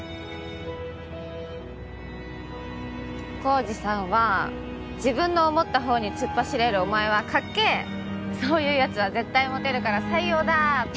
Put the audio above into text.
晃司さんは自分の思ったほうに突っ走れるお前はかっけぇそういうやつは絶対モテるから採用だって。